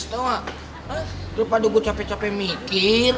tepat tepat gue capek capek mikir